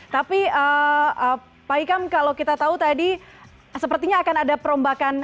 tapi pak hikam kalau kita tahu tadi sepertinya akan ada perombakan